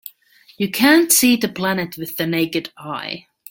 You can't see the planet with the naked eye.